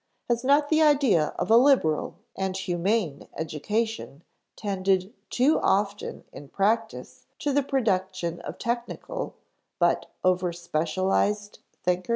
Has not the idea of a "liberal" and "humane" education tended too often in practice to the production of technical, because overspecialized, thinkers?